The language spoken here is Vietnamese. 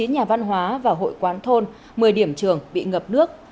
một mươi chín nhà văn hóa và hội quán thôn một mươi điểm trường bị ngập nước